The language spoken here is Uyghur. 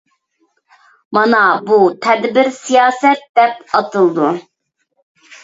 مانا بۇ تەدبىر سىياسەت دەپ ئاتىلىدۇ.